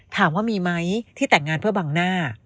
ถามว่ามีไหมที่แต่งงานเพื่อบังหน้า